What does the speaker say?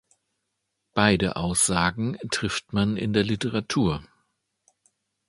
Beide Aussagen trifft man in der Literatur.